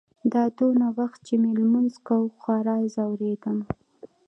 دا دونه وخت چې مې لمونځ کاوه خورا ځورېدم.